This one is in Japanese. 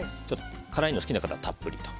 辛いの好きな方はたっぷりと。